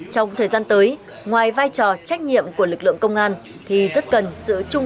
trong thời gian tới ngoài vai trò trách nhiệm của lực lượng công an